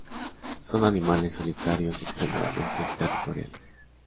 Son animales solitarios y extremadamente territoriales.